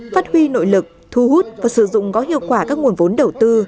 phát huy nội lực thu hút và sử dụng có hiệu quả các nguồn vốn đầu tư